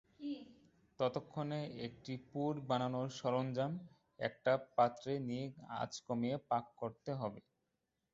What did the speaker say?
ততক্ষণে একটা পুর বানানোর সরঞ্জাম একটা একটা পাত্রে নিয়ে আঁচ কমিয়ে পাক করতে হবে।